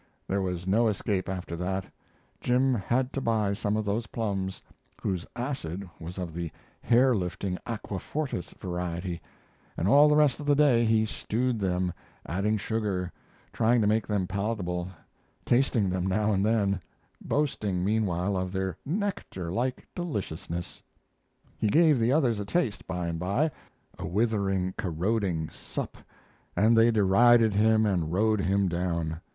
There was no escape after that; Jim had to buy some of those plums, whose acid was of the hair lifting aqua fortis variety, and all the rest of the day he stewed them, adding sugar, trying to make them palatable, tasting them now and then, boasting meanwhile of their nectar like deliciousness. He gave the others a taste by and by a withering, corroding sup and they derided him and rode him down.